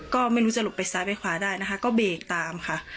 ก็ไม่รู้จะหลบไปซ้ายไปขวาได้นะคะก็เบรกตามค่ะ